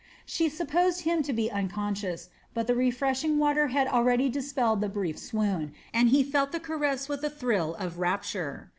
She supposed him to be unconscious, but the refreshing water had already dispelled the brief swoon, and he felt the caress with a thrill of rapture.